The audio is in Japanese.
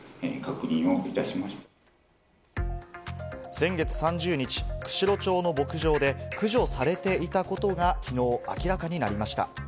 先月３０日、釧路町の牧場で駆除されていたことがきのう明らかになりました。